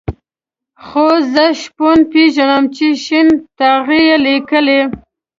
خو زه شپون پېژنم چې شين ټاغی یې لیکلی.